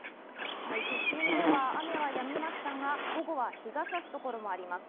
都心では雨はやみましたが、午後は陽が差すところもあります。